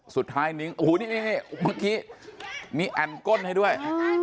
สุดท้ายนิ้งโอ้โหนี่มันมีแอ่มก้นให้ด้วย